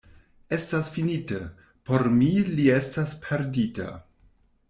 Estas finite: por mi li estas perdita!